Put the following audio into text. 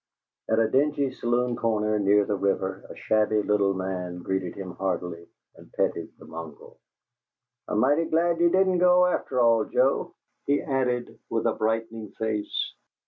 At a dingy saloon corner, near the river, a shabby little man greeted him heartily and petted the mongrel. "I'm mighty glad you didn't go, after all, Joe," he added, with a brightening face.